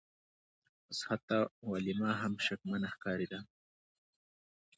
اوس حتی ویلما هم شکمنه ښکاریده